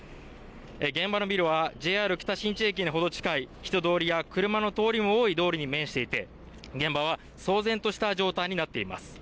現場のビルはＪＲ北新地駅に程近い人通りや車の通りも多い通りに面していて現場は騒然とした状態になっています。